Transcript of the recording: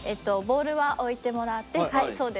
ボールは置いてもらってそうですね。